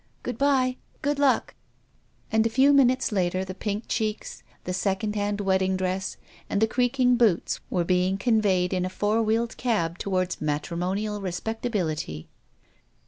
Good bye, good luck !" And a few minutes later the pink cheeks, the second hand wedding dress, and the creaking boots were being conveyed in a four wheeled cab toward matrimonial re spectability.